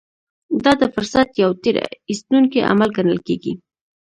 دا د فرصت يو تېر ايستونکی عمل ګڼل کېږي.